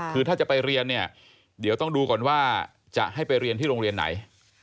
คือถ้าจะไปเรียนเนี่ยเดี๋ยวต้องดูก่อนว่าจะให้ไปเรียนที่โรงเรียนไหน